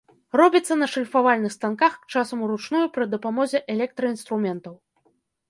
Робіцца на шліфавальных станках, часам уручную пры дапамозе электраінструментаў.